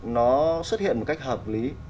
nó xuất hiện một cách hợp lý